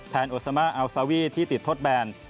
แทนอสมาร์ทอัลซาวีที่ติดทดแบน